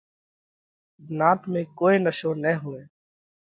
نات ۾ ڪوئي نشو نہ هوئہ۔